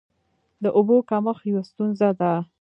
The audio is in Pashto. د اوبو کمښت یوه ستونزه ده.